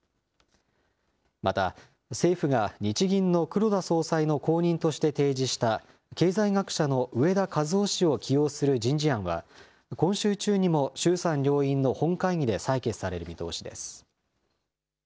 また政府が日銀の黒田総裁の後任として提示した経済学者の植田和男氏を起用する人事案は、今週中にも衆参両院の本会議で採決される見通しです。